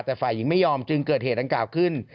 แต่ฝ่ายหญิงไม่ยอมจึงเกิดเหตุดังกล่าวขึ้น